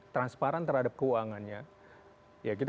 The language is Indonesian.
transparan terhadap keuangannya